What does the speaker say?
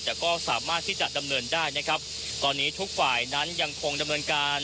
แต่ก็สามารถที่จะดำเนินได้นะครับตอนนี้ทุกฝ่ายนั้นยังคงดำเนินการ